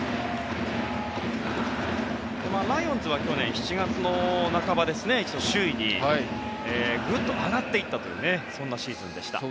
ライオンズは去年７月の半ば一度、首位にグッと上がっていったというそんなシーズンでした。